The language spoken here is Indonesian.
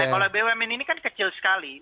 kalau bumn ini kan kecil sekali